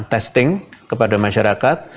testing kepada masyarakat